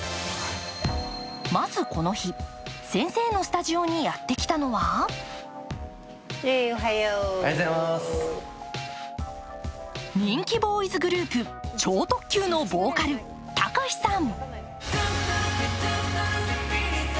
まず、この日、先生のスタジオにやってきたのは人気ボーイズグループ超特急のタカシさん。